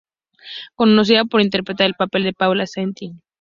Conocida por interpretar el papel de Paula Santilli en "Love is all you need?